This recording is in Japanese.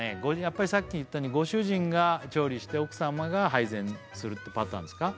やっぱりさっき言ったようにご主人が調理して奥様が配膳するってパターンですか？